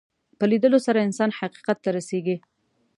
په لیدلو سره انسان حقیقت ته رسېږي